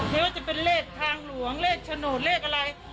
ไม่ว่าจะเป็นเลขทางหลวงเลขโฉนดเลขอะไร